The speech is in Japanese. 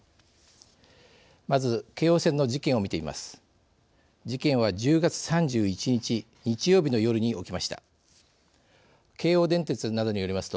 まず、京王線の事件をみてみます。